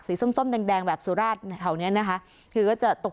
สีส้มแดงแบบสูราชมาเท่านี้นะค่ะคือก็จะตก